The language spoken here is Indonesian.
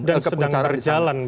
dan sedang berjalan